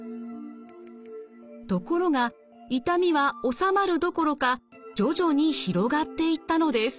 ところが痛みは治まるどころか徐々に広がっていったのです。